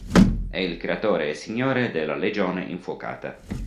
È il creatore e signore della Legione Infuocata.